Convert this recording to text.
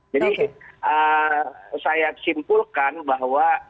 jadi saya simpulkan bahwa